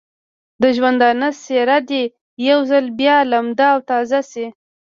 د ژوندانه څېره دې یو ځل بیا لمده او تازه شي.